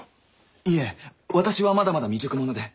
いえ私はまだまだ未熟者で。